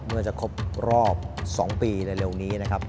เมื่อจะครบรอบ๒ปีในเร็วนี้นะครับ